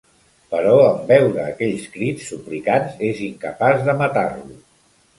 Però en veure aquells crits suplicants, és incapaç de matar-lo.